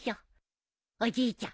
おじいちゃん